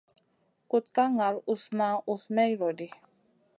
Kuɗ ka ŋal usna usna may lodi.